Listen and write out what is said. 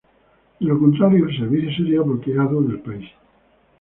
De lo contrario el servicio sería bloqueado del país.